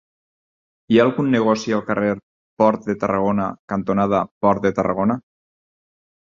Hi ha algun negoci al carrer Port de Tarragona cantonada Port de Tarragona?